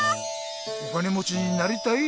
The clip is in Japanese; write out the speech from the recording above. お金もちになりたい？